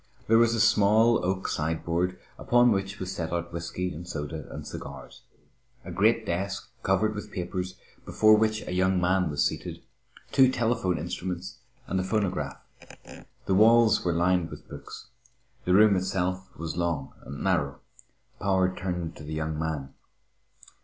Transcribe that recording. There was a small oak sideboard, upon which was set out whisky and soda and cigars; a great desk, covered with papers, before which a young man was seated; two telephone instruments and a phonograph. The walls were lined with books. The room itself was long and narrow. Power turned to the young man.